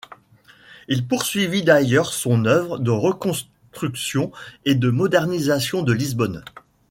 Il poursuivit d'ailleurs son œuvre de reconstruction et de modernisation de Lisbonne.